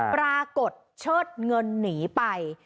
ปรากฏเชิดเงินหนีไป